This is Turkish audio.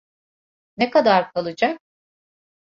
Ne kadar kalacak?